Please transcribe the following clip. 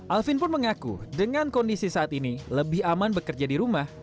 alvin pun mengaku dengan kondisi saat ini lebih aman bekerja di rumah